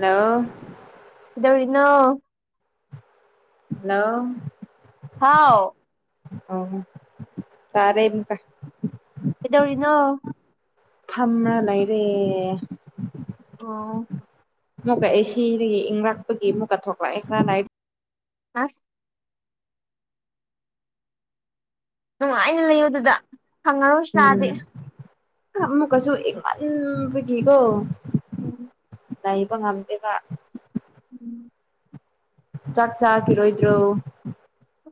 hello ꯗꯧꯔꯤꯅꯣ hello ꯍꯥꯎ ꯑ ꯇꯥꯔꯦꯀ ꯑꯦꯗꯧꯔꯤꯅꯣ ꯊꯝꯅ ꯂꯩꯔꯦ ꯑꯣ ꯑꯃꯨꯛꯀ ꯑꯩ ꯁꯤꯗꯒꯤ ꯏꯪꯔꯛꯄꯒꯤ ꯑꯃꯨꯛꯀ ꯊꯣꯛꯂꯛꯑꯦ ꯈꯔꯅꯏ ꯑ ꯅꯨꯡꯉꯥꯏꯅ ꯂꯩꯌꯣ ꯑꯗꯨꯗ ꯐꯪꯉꯔꯣꯏꯁꯨ ꯆꯥꯗꯦ ꯃꯨꯛꯀꯁꯨ ꯏꯃꯟ ꯐꯒꯀꯣ ꯎꯝ ꯂꯩꯕ ꯉꯝꯗꯦꯕ ꯎꯝ ꯆꯥꯛ ꯆꯥ ꯈꯤꯔꯣꯏꯗ꯭ꯔꯣ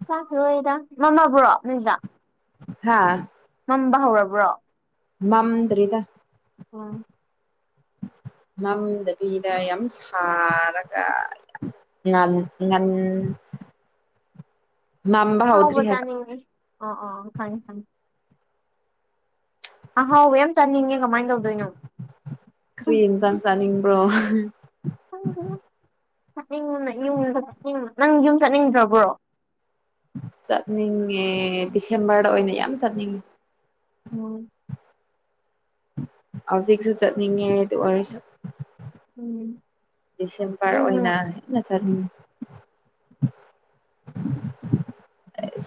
ꯆꯥꯈꯤꯔꯣꯏꯗ ꯃꯃꯥꯕ꯭ꯔꯣ ꯅꯣꯏꯗ ꯍꯥꯥ ꯃꯝꯕ ꯍꯧꯔꯕ꯭ꯔꯣ ꯃꯝꯗ꯭ꯔꯤꯗ ꯑꯥ ꯃꯝꯗꯕꯤꯗ ꯌꯥꯝ ꯁꯥꯔꯒ ꯉꯥꯟ ꯉꯝ [inaudible] ꯑꯍꯥꯎꯕ ꯍꯥꯏꯕ ꯆꯥꯅꯤꯡꯉꯤ ꯑ ꯑ ꯈꯪꯉꯤ ꯈꯪꯉꯤ ꯑꯍꯥꯎꯕ ꯌꯥꯝ ꯆꯥꯅꯤꯡꯉꯦ ꯀꯃꯥꯏꯅ ꯇꯧꯗꯣꯏꯅꯣ ꯀꯔꯤ ꯏꯟꯖꯥꯡ [unintelligible] ꯍ ꯍ ꯌꯨꯝ ꯆꯠꯅꯤꯡ ꯅꯪ ꯌꯨꯝ ꯆꯠꯅꯤꯡꯗ꯭ꯔꯕ꯭ꯔꯣ ꯆꯠꯅꯤꯡꯉꯦ ꯗꯤꯁꯦꯝꯕꯔꯗ ꯑꯣꯏꯅ ꯌꯥꯝ ꯆꯠꯅꯤꯡꯉꯤ ꯎꯝ ꯍꯧꯖꯤꯛꯁꯨ ꯆꯠꯅꯤꯡꯉꯦ ꯑꯗꯨ ꯑꯣꯏꯁꯨ ꯎꯝ ꯗꯤꯁꯦꯝꯕꯔ ꯆꯠꯅꯤꯡꯕꯅ ꯑꯣꯏꯅ ꯍꯦꯟꯅ ꯆꯠꯅꯤꯡꯉꯤ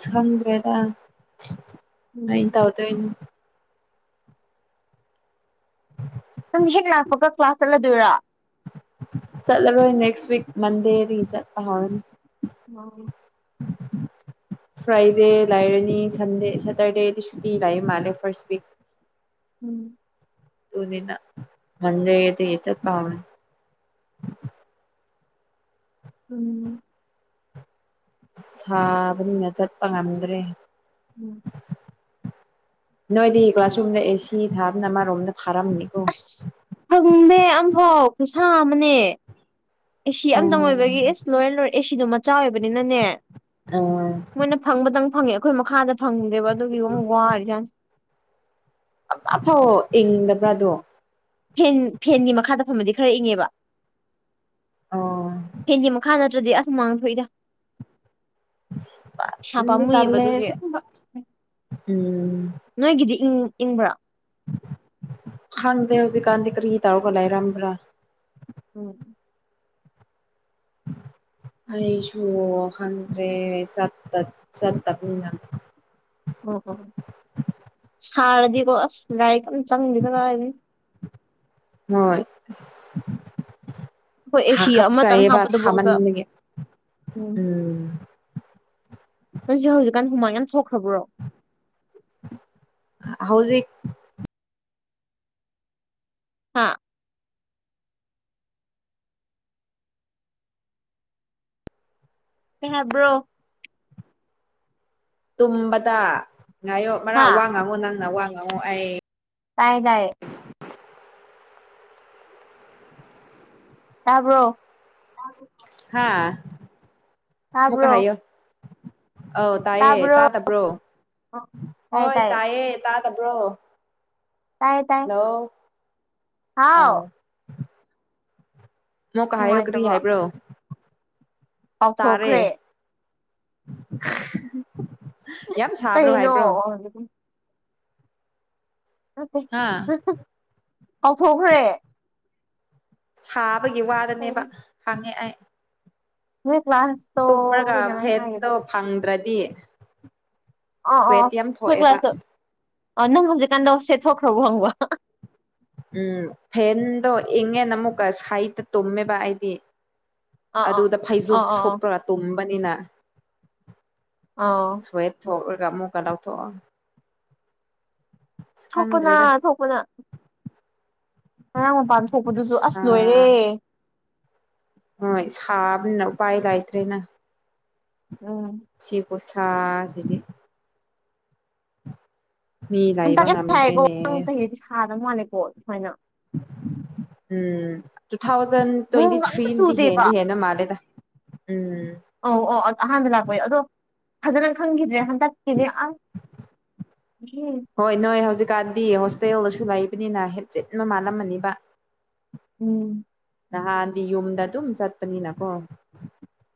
ꯈꯡꯗ꯭ꯔꯦꯗ ꯎꯝ ꯀꯩꯗꯧꯗꯣꯏꯅꯣ ꯐꯛꯀ ꯀ꯭ꯂꯥꯁ ꯆꯠꯂꯗꯣꯏꯔꯥ ꯆꯠꯂꯔꯣꯏ ꯅꯦꯛꯁ ꯋꯤꯛ ꯃꯟꯗꯦꯗꯒꯤ ꯆꯠꯄ ꯍꯧꯔꯅꯤ ꯍ ꯐ꯭ꯔꯥꯏꯗꯦ ꯂꯩꯔꯅꯤ ꯁꯟꯗꯦ ꯁꯦꯇꯔꯗꯦꯗꯤ ꯁꯨꯇꯤ ꯂꯩ ꯃꯥꯜꯂꯦ ꯐꯥꯔꯁ ꯋꯤꯛ ꯎꯝ ꯇꯅꯤꯅ ꯃꯟꯗꯦꯗꯩ ꯆꯠꯄ ꯍꯧꯔꯅꯤ ꯎꯝ ꯁꯥꯕꯅꯤꯅ ꯆꯠꯄ ꯉꯝꯗ꯭ꯔꯦ ꯎꯝ ꯅꯣꯏꯗꯤ ꯀ꯭ꯂꯥꯁꯔꯨꯝꯗ ꯑꯦꯁꯤ ꯊꯥꯕꯅ ꯑꯃꯔꯣꯝꯗ ꯐꯥꯔꯝꯅꯤꯀꯣ ꯑꯁ ꯐꯪꯗꯦ ꯑꯝꯐꯥꯎ ꯈꯨꯁꯥ ꯑꯃꯅꯦ ꯑꯦꯁꯤ ꯑꯣ ꯑꯝꯇꯪ ꯑꯣꯏꯕꯒꯤ ꯏꯁ ꯂꯣꯏꯔꯦ ꯂꯣꯏꯔꯦ ꯑꯦꯁꯤꯗꯣ ꯃꯆꯥ ꯑꯣꯏꯕꯅꯤꯅꯅꯦ ꯑꯥ ꯃꯣꯏꯅ ꯐꯪꯕꯗꯪ ꯐꯪꯉꯦ ꯑꯩꯈꯣꯏ ꯃꯈꯥꯗ ꯐꯪꯗꯦꯕ ꯑꯗꯨꯒꯤ ꯑꯃꯨꯛ ꯋꯥꯔꯤꯖꯥꯠꯅꯤ ꯑꯃ ꯐꯥꯎ ꯏꯪꯗꯕꯔ ꯗꯨ ꯃꯐꯝꯃꯗꯤ ꯈꯔ ꯏꯪꯉꯦꯕ ꯑꯣ ꯐꯦꯟꯒꯤ ꯃꯈꯥ ꯅꯠꯇ꯭ꯔꯗꯤ ꯑꯁ ꯍꯨꯃꯥꯡ ꯊꯣꯛꯏꯗ ꯑꯁ ꯄꯩꯁꯥ ꯇꯜꯗꯤ ꯄꯥꯝꯃꯨꯏꯌꯦꯕ ꯇꯜꯂꯦ ꯑꯗꯨꯒꯤ ꯑꯁꯦꯡꯕ ꯎꯝ ꯏꯪꯕ꯭ꯔ ꯈꯪꯗꯦ ꯍꯧꯖꯤꯛꯀꯥꯟꯗꯤ ꯀꯔꯤ ꯇꯧꯔꯒ ꯂꯩꯔꯝꯕ꯭ꯔ ꯎꯝ [inaudible] ꯑꯩꯁꯨ ꯈꯪꯗ꯭ꯔꯦ ꯆꯠ ꯆꯠꯇꯕꯅꯤꯅ ꯑꯣ ꯑꯣ ꯁꯥꯔꯗꯤꯀꯣ ꯑꯁ ꯂꯥꯏꯔꯤꯛ ꯑꯝ ꯆꯪꯗꯦ ꯀꯗꯥꯏꯗꯒꯤ ꯍꯣꯏ ꯑꯩꯈꯣꯏ ꯑꯦꯁꯤ ꯑꯃꯇꯪ ꯍꯥꯀꯠꯆꯩꯕ ꯍꯥꯞꯄꯗꯐꯥꯎꯗ ꯁꯥꯃꯟꯕꯒꯤ ꯎꯝ ꯑꯩꯁꯨ ꯍꯧꯖꯤꯛꯀꯥꯟ ꯍꯨꯃꯥꯡ ꯌꯥꯝ ꯊꯣꯛ ꯍꯧꯖꯤꯛ ꯍꯥ ꯍꯥꯏꯦꯕ꯭ꯔꯣ ꯇꯨꯝꯕꯗ ꯉꯥꯏꯌꯣ ꯃꯔꯥ ꯍꯥ ꯋꯥ ꯉꯥꯡꯉꯨ ꯅꯪꯅ ꯋꯥ ꯉꯉꯨ ꯑꯩ ꯇꯥꯏꯌꯦ ꯇꯌꯦ ꯇꯥꯕ꯭ꯔꯣ ꯍꯥꯥ ꯃꯨ ꯇꯥꯕ꯭ꯔꯣ ꯀꯥꯏꯌꯣ ꯑꯧ ꯇꯥꯏꯌꯦ ꯇꯥꯕ꯭ꯔꯣ ꯇꯥꯗꯕ꯭ꯔꯣ ꯍꯣꯏ ꯇꯥꯏꯌꯦ ꯇꯥꯗꯕ꯭ꯔꯣ ꯇꯥꯏ ꯇꯥꯏ ꯍꯜꯂꯣ ꯍꯥꯎ ꯑꯥ ꯃ ꯀ ꯍꯥꯏꯣ ꯀꯔꯤ ꯅꯨꯡꯉꯥꯏꯇꯕ꯭ꯔꯣ ꯍꯥꯏꯕ꯭ꯔꯣ ꯇꯥꯔꯦ ꯀꯥꯎꯊꯣꯛꯈ꯭ꯔꯦ ꯌꯥꯝ ꯁꯥꯕ꯭ꯔꯣ ꯀꯩꯅꯣ ꯍꯥꯏꯕ꯭ꯔꯣ ꯍꯥ ꯀꯥꯎꯊꯣꯛꯈ꯭ꯔꯦ ꯁꯥꯕꯒꯤ ꯀꯩꯅꯣ ꯋꯥꯗꯅꯦꯕ ꯍꯪꯉꯦ ꯑꯩ ꯅꯣꯏ ꯀ꯭ꯂꯥꯁꯇꯣ ꯇꯨꯝꯃꯒ ꯀꯩꯅꯣꯃꯥꯏꯅ ꯐꯦꯠꯇꯣ ꯍꯥꯏꯒꯤꯕꯅꯦ ꯐꯪꯗ꯭ꯔꯗꯤ ꯑ ꯑ ꯁ꯭ꯋꯦꯠ ꯌꯥꯝ ꯐꯣꯏ ꯀ꯭ꯂ ꯊꯣꯛꯑꯦꯕ ꯀ꯭ꯂꯥꯁ ꯑ ꯅꯪ ꯍꯧꯖꯤꯛꯀꯥꯟꯗ ꯁꯦꯠꯊꯣꯛꯈ꯭ꯔꯕꯣ ꯍꯪꯕ ꯎꯝ ꯐꯦꯟꯗꯣ ꯏꯪꯉꯦꯅ ꯑꯃꯨꯛꯀꯥ ꯍꯥꯏꯗ ꯇꯨꯝꯃꯦꯕ ꯑꯩꯗꯤ ꯑꯥ ꯑꯥ ꯑꯥ ꯑꯗꯨꯗ ꯐꯩꯖꯣ ꯑꯥ ꯑꯥ ꯁꯣꯛꯄ꯭ꯔꯒ ꯇꯨꯝꯕꯅꯤꯅ ꯑꯥ ꯁ꯭ꯋꯦꯠ ꯊ‌ꯣꯂꯒ ꯑꯃꯣꯒꯥꯥ ꯂꯧꯊꯣꯛꯑꯣ ꯊꯣꯛꯄꯅ ꯈꯪꯗ꯭ꯔꯦꯗ ꯊꯣꯛꯄꯅ ꯉꯔꯥꯡ ꯃꯄꯥꯟ ꯊꯣꯛꯄꯗꯨꯁꯨ ꯑꯁ ꯂꯣꯏꯔꯦ ꯍꯣꯏ ꯁꯥꯕꯅꯤꯅ ꯥꯏ ꯂꯩꯥꯏꯇ꯭ꯔꯦꯅ ꯎꯝ ꯁꯤꯈꯨꯁꯥꯖꯤꯅꯤ ꯂꯩꯕ ꯍꯟꯇꯛ ꯌꯥꯝ ꯁꯥꯏꯀꯣ ꯉꯝꯗ꯭ꯔꯦꯅꯦ ꯅ ꯆꯍꯤꯗꯤ ꯁꯥꯗꯕ ꯃꯥꯜꯂꯦꯀꯣ ꯁꯨꯃꯥꯏꯅ ꯎꯝ ꯇꯨ ꯊꯥꯎꯖꯟ ꯇ꯭ꯋꯦꯟꯇꯤ ꯅꯣꯡꯒ ꯊ꯭ꯔꯤꯗꯤ ꯍꯦꯟꯗꯤ ꯍꯦꯟꯅ ꯃꯥꯜꯂꯦꯗ ꯎꯝ ꯑ ꯑ ꯑꯍꯥꯟꯕ ꯂꯥꯛꯄꯌ ꯑꯗꯣ ꯐꯖꯅ ꯈꯪꯈꯤꯗ꯭ꯔꯦ ꯍꯟꯗꯛꯀꯤꯅꯦ ꯑꯁ ꯎ ꯥꯟꯗꯤ ꯍꯣꯁꯇꯦꯜꯗꯁꯨ ꯂꯩꯕꯅꯤꯅ ꯍꯦꯠꯆꯦꯠ ꯑꯃ ꯃꯥꯜꯂꯝꯃꯅꯤꯕ ꯎꯝ ꯅꯍꯥꯟꯗꯤ ꯌꯨꯝꯗ ꯑꯗꯨꯝ ꯆꯠꯄꯅꯤꯅꯀꯣ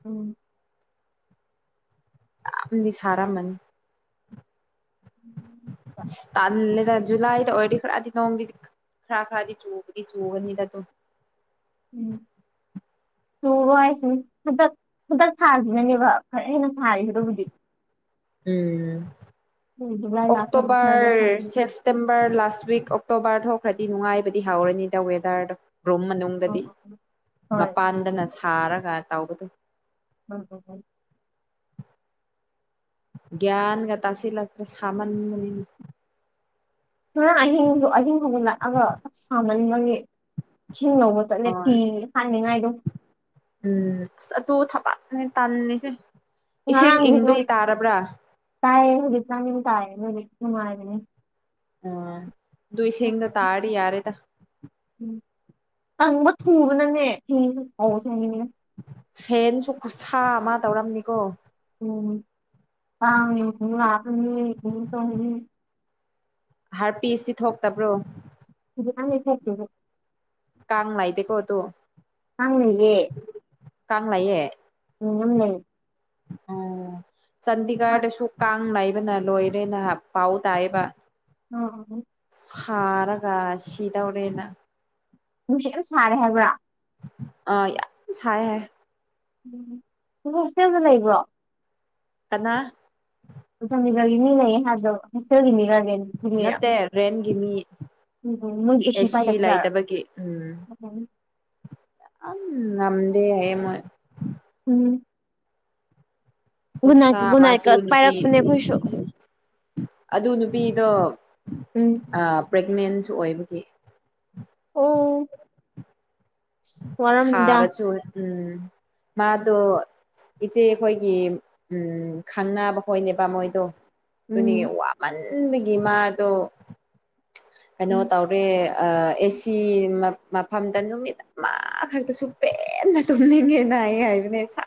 ꯑ ꯑꯗꯤ ꯁꯔꯥ ꯃꯅꯤ ꯑꯗ ꯖꯨꯂꯥꯏꯗ ꯑꯣꯏꯔꯗꯤ ꯈꯔꯗꯤ ꯅꯣꯡꯗꯤꯗꯤ ꯈꯔ ꯈꯔꯗꯤ ꯆꯨꯕꯗꯤ ꯆꯨꯒꯅꯤꯗ ꯑꯗꯨꯝ ꯎꯝ ꯁ ꯍꯥꯏꯁ ꯑꯗ ꯈꯨꯗꯛ ꯁꯥꯁꯤꯅꯅꯦꯕ ꯈꯔ ꯍꯦꯟꯅ ꯁꯥꯔꯤ ꯍꯥꯏꯗꯕꯨꯗꯤ ꯎꯝ ꯖꯨꯂꯥꯏ ꯂꯥꯛꯈ꯭ꯔꯗꯤ ꯈꯔꯗꯤ ꯑꯣꯀꯛꯇꯣꯕꯔ ꯐꯔꯅꯤ ꯁꯞꯇꯦꯦꯝꯕꯔ ꯂꯥꯁ ꯂꯥꯁ ꯋꯤꯛ ꯑꯣꯛꯇꯣꯕꯔ ꯊꯣꯛꯈ꯭ꯔꯗꯤ ꯅꯨꯡꯉꯥꯏꯕꯗꯤ ꯍꯧꯥꯎꯔꯅꯤꯗ ꯋꯦꯗꯔꯗꯣ ꯭ꯔꯨꯝ ꯑꯣ ꯃꯅꯨꯡꯗꯗꯤ ꯑꯣ ꯍꯣꯏ ꯃꯄꯥꯟꯗꯅ ꯁꯥꯔꯒ ꯇꯥꯎꯕꯗꯨ ꯎꯝ [unintelligible] ꯒꯌ꯭ꯥꯟꯒ ꯇꯁꯤꯦ ꯂꯥꯛꯇ꯭ꯔ ꯁꯃꯅ ꯃꯅꯤ ꯉꯔꯥꯡ ꯑꯍꯤꯡꯗꯣ ꯑꯍꯤꯡ ꯍꯧꯕ ꯂꯥꯛꯑꯒꯞ ꯁꯥꯃꯟꯕꯒꯤ ꯁꯤꯡꯧꯕ ꯆꯠꯂꯦ ꯐꯤ ꯍꯣꯏ ꯍꯥꯏꯅꯤꯡꯉꯥꯏꯗꯣ ꯇꯥꯟꯅꯤꯁꯤꯦ ꯉ ꯀꯌꯦ ꯍꯧꯖꯤ꯭ꯔꯃꯤ ꯀꯥꯏꯑ ꯅꯔꯤ ꯃꯥꯗꯅꯦ ꯑꯝ ꯗꯨꯏꯁꯤꯡꯦꯡꯗ ꯇꯥꯔ ꯌꯥꯔꯦꯗ ꯎꯝ ꯑꯪꯕ ꯊꯨꯕꯅꯅꯦ ꯍ ꯄꯥꯎꯁꯦꯅꯦ ꯐꯦꯟꯁꯨ ꯈꯨꯠꯁꯥ ꯑꯃ ꯇꯧꯔꯝꯅꯤꯀꯣ ꯎ ꯍꯥꯔꯄꯤꯤꯁꯇꯤ ꯊꯣꯛꯇꯕ꯭ꯔꯣ ꯑꯗꯨꯦ ꯀꯥꯡ ꯂꯥꯏꯗꯤꯦ ꯀꯣ ꯇꯣ ꯅꯪꯦ ꯀꯂꯑꯌꯦ ꯎꯝ ꯎ ꯂꯩ ꯑꯣ ꯆꯗꯤꯒꯥꯥꯗꯥ ꯑꯥꯡ ꯂꯩꯥꯏꯕꯅ ꯂꯣꯏꯔꯦ ꯅꯍꯥꯛ ꯄꯥꯎ ꯇꯥꯏꯌꯦꯕ ꯑ ꯑ ꯐꯥꯔ ꯀꯥꯁꯤꯤꯗ ꯑꯧꯔꯅ ꯅꯨꯡꯁꯨ ꯑꯗꯨꯝ ꯁꯥꯔꯦ ꯍꯥꯏꯕ꯭ꯔꯥ ꯑ ꯌꯥꯝ ꯁ ꯍꯥꯏ ꯎꯆꯦꯜꯗ ꯂꯩꯕ꯭ꯔꯣ ꯀꯅꯥ ꯑꯗꯨꯔꯒꯤꯅꯤ ꯂꯩ ꯍꯥꯏꯗꯣ ꯍꯁꯦꯜꯒꯤꯅꯤꯔꯅꯤ ꯅꯠꯇꯦ ꯔꯦꯟꯒꯤ ꯃꯤ ꯃꯣꯏꯒꯤ ꯑꯦꯁꯤ ꯄꯥꯏꯗꯕꯖꯥꯔꯣ ꯂꯩꯥꯏꯇꯕꯒꯤ ꯎꯝ ꯑꯝ ꯉꯗꯦ ꯃ ꯎꯝ ꯒꯨꯗ ꯅꯥꯏꯠ ꯍꯁꯁꯥ ꯒꯨꯗ ꯅꯥꯏꯠꯀ ꯃꯥꯗꯨ ꯅꯨꯕꯤ ꯄꯥꯏꯔꯛꯄꯅꯦ ꯑꯩꯈꯣꯏꯁꯨ ꯑꯗꯨ ꯅꯨꯄꯤꯗꯣ ꯎꯝ ꯄ꯭ꯔꯦꯒꯅꯦꯟꯁꯨ ꯑꯣꯏꯕꯒꯤ ꯑꯣ ꯋꯥꯔꯝꯅꯤꯗ ꯁꯥꯕꯁꯨ ꯎꯝ ꯃꯥꯗꯣ ꯏꯆꯦ ꯑꯩꯈꯣꯏꯒꯤ ꯎ ꯈꯪꯅꯕꯈꯣꯏꯅꯦꯕ ꯃꯣꯏꯗꯣ ꯑꯗꯨꯅꯤ ꯎꯝ ꯋꯥꯃꯟꯕꯒꯤ ꯃꯥꯗꯣ ꯑꯩꯅꯣꯧ ꯇꯥꯎ꯭ꯔꯦ ꯑꯦꯁꯤ ꯃꯐꯝꯗ ꯅꯨꯃꯤꯠ ꯑꯃꯈꯛꯇꯁꯨ ꯄꯦꯟꯅ ꯇꯨꯝꯅꯤꯡꯉꯦꯅ ꯉ ꯍꯥꯏꯕꯅꯦ ꯁ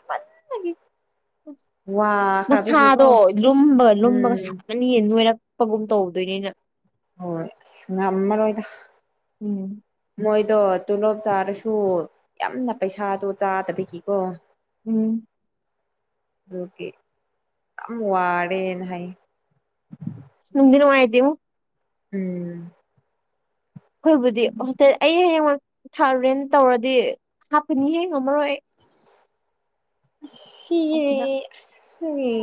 ꯃꯁꯥꯗꯣ ꯂꯨꯝꯕꯒ ꯂꯨꯝꯕꯒ ꯎꯝ ꯁꯥꯀꯅꯤ ꯅꯣꯏꯔꯛ ꯆꯄꯒꯨꯝ ꯇꯧꯗꯣꯏꯅꯤꯅ ꯍꯣꯏ ꯑꯁ ꯉꯝꯃꯔꯣꯏꯗ ꯎꯝ ꯃꯣꯏꯗꯣ ꯇꯣꯂꯣꯞ ꯆꯥꯔꯁꯨ ꯌꯥꯝꯅ ꯄꯩꯁꯥꯗꯣ ꯆꯥꯗꯕꯤꯒꯤꯀꯣ ꯎꯝ ꯑꯗꯨꯒꯤ ꯌꯥꯝ ꯋꯥꯔꯦꯅ ꯍꯥꯏ ꯗꯤꯅꯅꯨꯡ ꯃꯥꯥꯏꯇꯃ ꯎꯝ ꯍꯣꯏꯕꯨꯗꯤ ꯍꯦ ꯑ ꯍꯡ ꯊꯥꯨꯔꯦꯟ ꯇꯧꯔꯗꯤ ꯍꯥꯞꯄꯅꯤꯍꯦ ꯉꯝꯃꯔꯣꯏ ꯑꯩ ꯁꯤꯦ ꯁꯤꯗ ꯁꯤꯒꯤ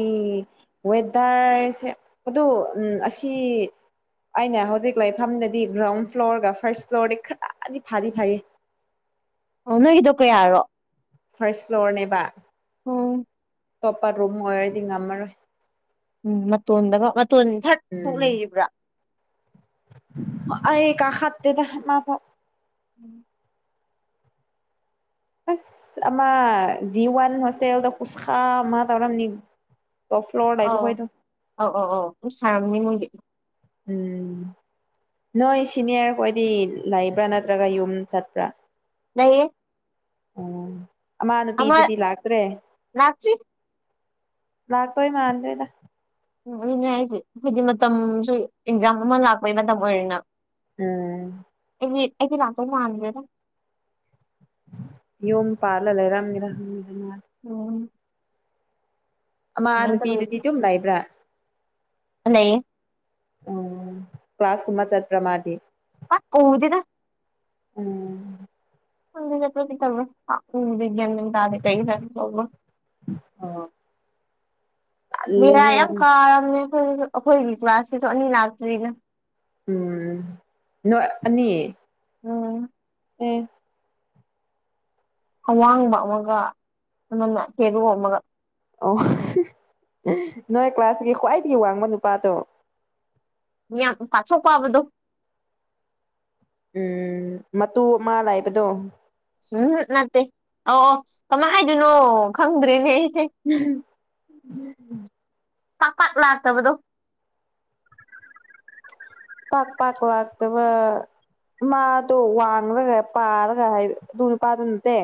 ꯋꯦꯗꯔꯁꯦ ꯑ ꯑꯁꯤ ꯑꯩꯅ ꯍꯧꯖꯤꯛ ꯂꯐꯝꯗꯗꯤ ꯒ꯭ꯔꯥꯎꯟ ꯐ꯭ꯂꯣꯔꯒ ꯐꯥꯔꯁ ꯐ꯭ꯂꯣꯔꯗꯤ ꯈꯔꯗꯤ ꯐꯥꯗꯤ ꯐꯩꯌꯦ ꯑꯣ ꯅꯣꯏꯒꯤꯗꯣ ꯀꯌꯥꯔꯣ ꯐꯥꯔ꯭ꯁ ꯐ꯭ꯂꯣꯔꯅꯦꯕ ꯍ ꯑꯇꯣꯞꯄ ꯔꯨꯝ ꯑꯣꯏꯔꯗꯤ ꯉꯝꯃꯔꯣꯏ ꯎꯝ ꯃꯇꯣꯟꯗꯀ ꯃꯇꯣꯟ ꯊꯔ ꯊꯣꯛꯨ ꯎꯝ ꯂꯩꯔꯤꯕ꯭ꯔꯥ ꯑꯩ ꯀꯥ ꯍꯦꯗ ꯃꯥ ꯄ ꯎꯝ ꯑꯁꯥ ꯖꯤ ꯋꯥꯟ ꯍꯣꯁꯇꯦꯜꯗ ꯈꯨꯨꯁꯀ ꯃꯥ ꯇꯧꯔꯝꯅꯤ ꯇꯣꯞ ꯐ꯭ꯂꯣꯔ ꯑ ꯂꯩꯕ ꯈꯣꯏꯗꯣ ꯑ ꯑ ꯑ ꯎꯁꯥꯔꯝꯅꯤ ꯃ ꯎꯝ ꯅꯣꯏ ꯁꯤꯅꯤꯌꯥꯔ ꯈꯣꯏꯗꯤ ꯂꯩꯕ꯭ꯔꯥ ꯅꯠꯇ꯭ꯔꯒ ꯌꯨꯝ ꯆꯠꯄ꯭ꯔꯥ ꯅꯌꯦ ꯎꯝ ꯃꯥ ꯅꯨꯨꯄꯤꯗꯗꯤ ꯂꯥꯛꯇ꯭ꯔꯦ ꯂꯥꯛꯇ꯭ꯔꯤ ꯂꯥꯛꯇꯏ ꯃꯥꯥꯟꯗꯔꯤꯗ ꯎꯝ ꯑꯗꯨꯅꯦ ꯍꯥꯏꯁꯦ ꯍꯥꯏꯗꯤ ꯃꯇꯝꯁꯨ ꯑꯦꯛꯖꯥꯝ ꯑꯃ ꯂꯥꯛꯄꯩ ꯃꯇꯝ ꯑꯣꯏꯔꯅ ꯎꯝ ꯑꯩꯗꯤ ꯂꯥꯛꯇ ꯃꯥꯥꯟꯗꯦꯗ ꯌꯣꯝ ꯄꯥꯜꯂ ꯂꯩꯔꯝꯃꯤꯔꯝꯃꯤꯗꯅ ꯑꯣꯝ ꯑꯥ ꯅꯨꯄꯤꯗꯗꯤ ꯑꯗꯨꯝ ꯂꯩꯕ꯭ꯔꯥ ꯂꯩ ꯂꯩ ꯎ ꯀ꯭ꯂꯥꯁ ꯀꯨꯝꯕ ꯆꯠꯄ꯭ꯔ ꯃꯥꯗꯤ ꯎꯗꯤꯗ ꯎꯝ ꯍꯗ ꯆꯠ꯭ꯔꯁꯤꯜ ꯎ ꯇꯗꯤ ꯀꯩ ꯍꯥꯏꯅꯤ ꯂꯕ ꯑꯣ ꯦꯔꯥ ꯌꯥꯝ ꯀꯥꯔꯝꯅꯦ ꯑꯩꯈꯣꯏ ꯑꯩꯈꯣꯏꯒꯤ ꯀ꯭ꯂꯥꯁꯀꯤꯁꯨ ꯑꯅꯤ ꯂꯥꯛꯇ꯭ꯔꯤꯅ ꯎꯝ ꯅꯣꯏ ꯑꯅꯤ ꯎꯝ ꯑꯦ ꯑꯋꯥꯡꯕ ꯑꯃꯒ ꯑꯃꯅ ꯍꯦꯔꯣ ꯑꯃꯒ ꯑꯣ ꯅꯣꯏ ꯀ꯭ꯂꯥꯁꯀꯤ ꯈ꯭ꯋꯥꯏꯗꯒꯤ ꯋꯥꯡꯕ ꯅꯨꯄꯥꯗꯣ ꯑ ꯄꯥꯆꯣ ꯀꯣꯕꯗꯗꯨ ꯎꯝ ꯃꯇꯨ ꯑꯃ ꯂꯥꯏꯕꯗꯣ ꯎꯝ ꯅꯠꯇꯦ ꯑꯧ ꯀꯃꯥꯏ ꯍꯥꯏꯗꯣꯏꯅꯣ ꯈꯪꯗ꯭ꯔꯤꯅꯦ ꯎꯝ ꯄꯥꯛꯀꯛ ꯂꯥꯛꯇꯕꯗꯣ ꯄ ꯄꯥ ꯂ ꯑꯗꯨꯕ ꯃꯥꯗꯣ ꯋꯥꯡ꯭ꯔꯒ ꯄꯥꯔꯒ ꯍꯥꯏ ꯑꯗꯨꯅ ꯄꯥꯗꯨ ꯅꯠꯇꯦ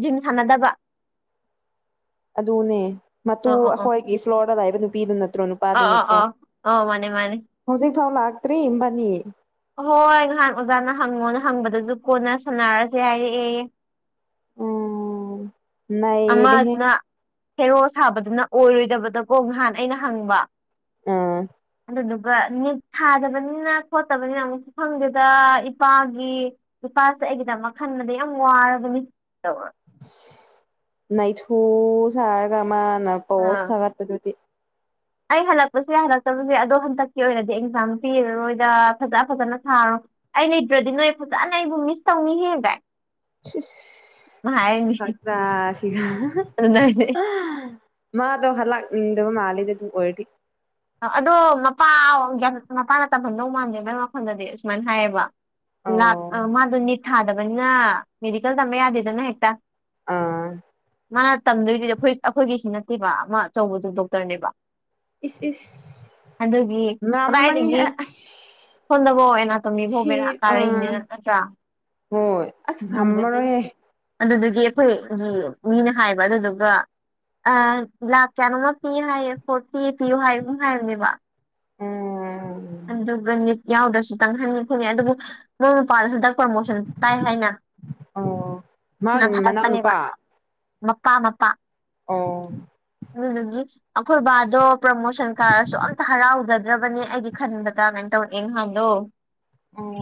ꯖꯤꯝ ꯁꯥꯟꯅꯗꯕ ꯑꯗꯨꯅꯦ ꯃꯇꯨ ꯑꯣ ꯑꯣ ꯑꯣ ꯑꯩꯈꯣꯏꯒꯤ ꯐ꯭ꯂꯣꯔꯗ ꯂꯥꯛꯏꯕ ꯅꯨꯄꯤꯗꯨ ꯅꯠꯇ ꯅꯠꯇ꯭ꯔꯣ ꯅꯨꯄꯥꯗꯨ ꯑꯥ ꯑꯥ ꯅꯠꯇ꯭ꯔꯣ ꯑꯥ ꯑꯧ ꯃꯥꯅꯦ ꯃꯥꯅꯦ ꯍꯧꯖꯤꯛ ꯐꯥꯎ ꯂꯥꯛꯇ꯭ꯔꯤ ꯏꯕꯥꯅꯤ ꯑꯍꯣꯏ ꯉꯍꯥꯟ ꯑꯣꯖꯥꯅ ꯍꯪꯉꯣꯅ ꯍꯪꯕꯗꯁꯨ ꯀꯣꯟꯅ ꯁꯥꯟꯅꯔꯁꯦ ꯍꯥꯏꯔꯛꯑꯦ ꯎꯝ ꯅꯩꯔꯦꯍꯦ ꯑꯃꯗꯨꯅ ꯍꯦꯔꯣ ꯁꯥꯕꯗꯨꯅ ꯑꯣꯏꯔꯣꯏꯗꯕꯗꯀꯣ ꯉꯍꯥꯟ ꯑꯩꯅ ꯍꯪꯕ ꯑꯥ ꯑꯗꯨꯗꯨꯒ ꯅꯤꯠ ꯊꯥꯗꯕꯅꯤꯅ ꯈꯣꯠꯇꯕꯅꯤꯅ ꯑꯃꯨꯛꯁꯨ ꯐꯪꯗꯦꯗ ꯏꯄꯥꯒꯤ ꯅꯨꯄꯥꯥꯁꯦ ꯑꯩꯒꯤꯗꯃꯛ ꯈꯟꯅꯕꯗꯤ ꯌꯥꯝ ꯋꯥꯔꯕꯅꯤ ꯇꯧꯔ ꯅꯥꯏꯊꯨ ꯁꯥꯔ ꯀ ꯑꯃꯥꯟ ꯑ ꯄ ꯑꯥ ꯁꯒ ꯇꯇꯤ ꯑꯩ ꯍꯜꯂꯛꯄꯁꯨ ꯌꯥꯏ ꯍꯜꯂꯛꯇꯕꯁꯨ ꯌꯥꯏ ꯑꯗꯣ ꯍꯟꯗꯛꯀꯤ ꯑꯣꯏꯅꯗꯤ ꯑꯦꯛꯖꯥꯝ ꯄꯤꯔꯔꯣꯏꯗ ꯐꯖ ꯐꯖꯅ ꯊꯔꯣ ꯑꯩ ꯂꯩꯇ꯭ꯔꯗꯤ ꯅꯣꯏ ꯐꯖꯅ ꯑꯩꯕꯨ ꯃꯤꯁ ꯇꯧꯅꯤꯍꯦꯕ ꯁ ꯁ ꯁꯤꯒ ꯑꯗꯨꯅ ꯑꯩꯁꯦ ꯃꯥꯗꯣ ꯍꯂꯛ ꯏꯟꯗ ꯃꯥꯜꯗ ꯑꯣꯏ ꯑꯗꯣ ꯃꯄꯥ ꯃꯄꯥꯅ ꯇꯝꯐꯝꯟꯗꯧ ꯃꯥꯟꯗꯦ ꯅꯒꯤ ꯋꯥꯈꯜꯗꯗꯤ ꯑꯁꯨꯃꯥꯏꯅ ꯍꯥꯏꯌꯦꯕ ꯂꯥꯛ ꯑꯣ ꯑ ꯃꯥꯗꯣ ꯅꯤꯠ ꯊꯥꯗꯕꯅꯤꯅ ꯃꯦꯗꯤꯀꯦꯜ ꯇꯝꯕ ꯌꯥꯗꯦꯗꯅ ꯍꯦꯛꯇ ꯑꯥ ꯃꯥꯅ ꯇꯝꯗꯣꯏꯗꯨꯗꯤ ꯑꯩꯈꯣꯏ ꯑꯩꯈꯣꯏꯒꯤꯁꯤ ꯅꯠꯇꯦꯕ ꯑꯃ ꯑꯆꯧꯕꯗꯨ ꯗꯣꯛꯇꯔꯅꯦꯕ ꯏꯁ ꯏꯁ ꯑꯗꯨꯒꯤ ꯉꯝꯃꯅꯤꯍꯦ ꯀꯗꯥꯏꯗꯒꯤ ꯑꯁ ꯐꯣꯟꯗꯕꯣ ꯑꯦꯅꯥ ꯁꯤ ꯇꯝꯃꯤꯕꯣꯕꯦꯔꯥ ꯀꯥꯔꯅꯤ ꯑꯥ ꯅꯠꯇ꯭ꯔꯥ ꯍꯣꯏ ꯑꯁ ꯑꯗꯨꯗꯨꯒꯤ ꯉꯝꯃꯔꯦ ꯑꯗꯨꯗꯨꯒꯤ ꯑꯩꯈꯣꯏꯒꯤ ꯃꯤꯅ ꯍꯥꯏꯕ ꯑꯗꯨꯗꯨꯒ ꯑ ꯂꯥꯛ ꯀꯌꯥꯅꯣꯃ ꯄꯤꯌꯨ ꯍꯥꯏꯌꯦ ꯐꯣꯔꯇꯤ ꯄꯤꯌꯨ ꯍꯥꯏ ꯑꯗꯨꯝ ꯍꯥꯏꯕꯅꯦꯕ ꯎꯝ ꯑꯗꯨꯒ ꯠ ꯌꯥꯎꯗ꯭ꯔꯁꯨꯇꯪ ꯍꯟꯉꯦ ꯈꯣꯡꯉꯦ ꯑꯗꯨꯕꯨ ꯃꯣꯏ ꯃꯄꯥꯜꯗ ꯍꯟꯗꯛ ꯄ꯭ꯔꯣꯃꯣꯁꯟ ꯇꯥꯏ ꯍꯥꯏꯅ ꯑꯣ ꯃꯥꯒꯤ ꯊꯥꯒꯠꯄꯅꯦꯕ ꯃꯅꯥꯎꯅꯨꯄꯥ ꯃꯄꯥ ꯃꯄꯥ ꯑꯣ ꯑꯗꯨꯗꯒꯤ ꯑꯈꯣꯏ ꯕꯥꯗꯣ ꯄ꯭ꯔꯃꯣꯁꯟ ꯀꯥꯔꯁꯨ ꯑꯝꯇ ꯍꯔꯥꯎꯖ ꯔꯕꯅꯦ ꯑꯩꯗꯤ ꯈꯟꯕꯗ ꯀꯥꯏꯅ ꯇꯧꯔꯛꯑꯦ ꯅꯍꯥꯟꯗꯣ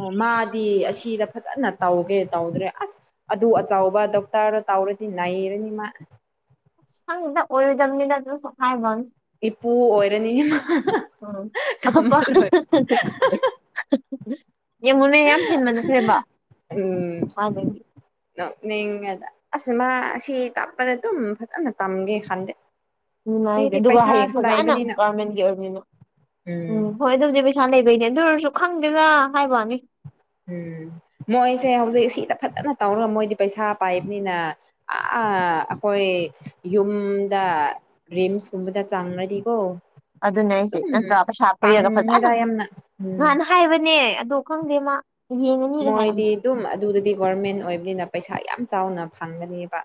ꯑꯣ ꯃꯥꯗꯤ ꯑꯁꯤꯗ ꯐꯖꯅ ꯇꯧꯒꯦ ꯇꯧꯗ꯭ꯔꯦ ꯑꯁ ꯑꯗꯨ ꯑꯆꯥꯎꯕ ꯗꯣꯛꯇꯔ ꯇꯧꯔꯦ ꯅꯩꯔꯅꯤ ꯃꯥ ꯈꯪꯗꯦꯗ ꯑꯣꯏꯔꯗꯝꯅꯤꯗ ꯗꯨꯁꯨ ꯍꯥꯏꯕꯋꯥꯅꯤ ꯏꯄꯨ ꯑꯣꯏꯔꯅꯤ ꯃꯥ ꯎꯝ ꯑꯇꯣꯞꯄ [unintelligible] ꯌꯦꯡꯉꯨꯅꯦ ꯌꯥꯝ ꯍꯦꯟꯃꯟꯈ꯭ꯔꯦꯕ ꯎꯝ ꯃꯥꯗꯒꯤ ꯅꯣꯛꯅꯤꯡꯉꯦꯗ ꯑꯁ ꯃꯥ ꯁꯤ ꯇꯝꯄꯗ ꯑꯗꯨꯝ ꯐꯖꯅ ꯇꯝꯒꯦ ꯈꯟꯗꯦ ꯅꯨꯡꯉꯥꯏꯒꯦ ꯃꯤꯗꯤ ꯑꯗꯨꯒ ꯍꯌꯦꯡ ꯄꯩꯁꯥꯁꯨ ꯐꯖꯅ ꯂꯩꯕꯅꯤꯅ ꯒꯔꯃꯦꯟꯒꯤ ꯑꯣꯏꯕꯅꯤꯅ ꯎꯝ ꯍꯣꯏ ꯑꯗꯨꯕꯨꯗꯤ ꯄꯩꯁꯥ ꯂꯩꯕꯩꯅꯦ ꯑꯗꯨ ꯑꯣꯏꯔꯁꯨ ꯈꯪꯗꯦꯗ ꯍꯥꯏꯕꯋꯥꯅꯤ ꯎꯝ ꯃꯣꯏꯁꯦ ꯍꯧꯖꯤꯛ ꯁꯤꯗ ꯐꯖꯅ ꯇꯧꯔꯒ ꯃꯣꯏꯗꯤ ꯄꯩꯁꯥ ꯄꯥꯏꯕꯅꯤꯅ ꯑ ꯑꯥ ꯑꯈꯣꯏ ꯌꯨꯝꯗ ꯔꯤꯝꯁꯀꯨꯝꯕꯗ ꯆꯥꯡꯂꯗꯤꯀꯣ ꯑꯗꯨꯅꯦ ꯍꯥꯏꯁꯦ ꯅꯠꯇ꯭ꯔꯥ ꯄꯩꯁꯥ ꯄꯤꯔꯒ ꯄꯪꯉꯦꯗ ꯐꯖꯅ ꯌꯥꯝꯅ ꯎꯝ ꯉꯍꯥꯟꯅ ꯍꯥꯏꯕꯅꯦ ꯗꯣ ꯈꯪꯗꯦ ꯃꯥ ꯌꯦꯡꯉꯅꯤꯒ ꯍꯥꯏꯔꯝꯕ ꯃꯣꯏꯗꯤ ꯑꯗꯨꯝ ꯑꯗꯨꯗꯗꯤ ꯒꯣꯔꯃꯦꯟ ꯑꯣꯏꯕꯅꯤꯅ ꯄꯩꯁꯥ ꯌꯥꯝ ꯆꯥꯎꯅ ꯐꯪꯒꯅꯦꯕ